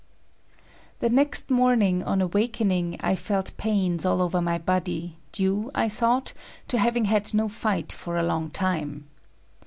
The next morning on awakening I felt pains all over my body, due, I thought, to having had no fight for a long time.